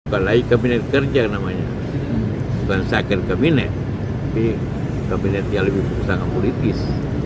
bukan lagi kabinet kerja namanya bukan sakit kabinet tapi kabinet yang lebih berusaha dengan politis